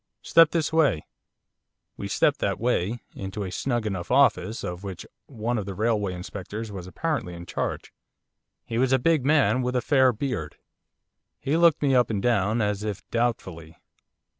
'Step this way.' We stepped that way, into a snug enough office, of which one of the railway inspectors was apparently in charge. He was a big man, with a fair beard. He looked me up and down, as if doubtfully.